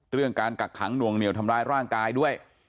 การกักขังหน่วงเหนียวทำร้ายร่างกายด้วย